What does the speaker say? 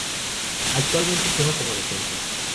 Actualmente juega como defensa.